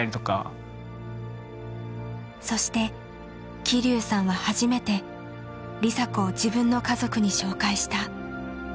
そして希龍さんは初めて梨紗子を自分の家族に紹介した。